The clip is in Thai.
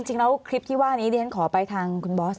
จริงแล้วคลิปที่ว่านี้ดิฉันขอไปทางคุณบอส